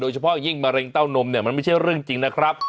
เฉพาะยิ่งมะเร็งเต้านมเนี่ยมันไม่ใช่เรื่องจริงนะครับ